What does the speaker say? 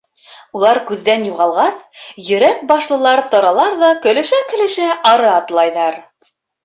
Улар күҙҙән юғалғас, Йөрәк башлылар торалар ҙа көлөшә-көлөшә ары атлайҙар.